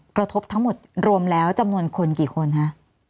กระทบทั้งหมดรวมแล้วจำนวนคนกี่คนคะ